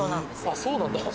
あっそうなんだ。